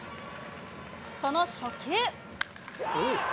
その初球。